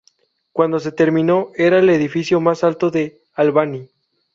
Cuando se terminó, era el edificio más alto de Albany.